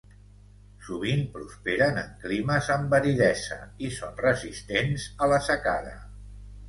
Sovint prosperen en climes amb aridesa i són resistents a la secada.